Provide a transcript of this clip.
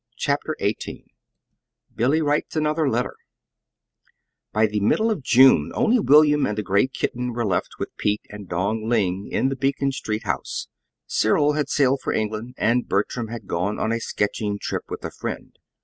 CHAPTER XVIII BILLY WRITES ANOTHER LETTER By the middle of June only William and the gray kitten were left with Pete and Dong Ling in the Beacon Street house. Cyril had sailed for England, and Bertram had gone on a sketching trip with a friend.